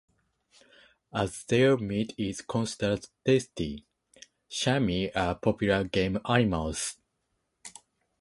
As their meat is considered tasty, chamois are popular game animals.